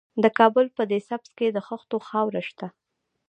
د کابل په ده سبز کې د خښتو خاوره شته.